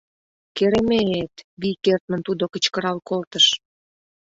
— Кереме-эт! — вий кертмын тудо кычкырал колтыш.